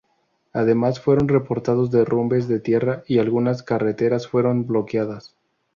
Además, fueron reportados derrumbes de tierra y algunas carreteras fueron bloqueadas.